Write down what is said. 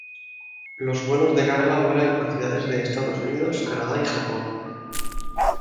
Los vuelos de carga vuelan a ciudades de Estados Unidos, Canadá y Japón.